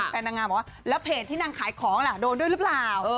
นางงามบอกว่าแล้วเพจที่นางขายของล่ะโดนด้วยหรือเปล่า